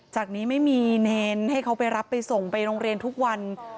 จากนี้ไม่มีเนรให้เขาไปรับไปส่งไปโรงเรียนทุกวัน